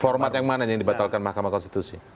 format yang mana yang dibatalkan mahkamah konstitusi